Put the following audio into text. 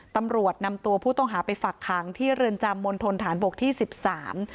ตำรวจนำตัวผู้ต้องหาไปฝักขังที่เรือนจำมณฑนฐานบกที่สิบสาม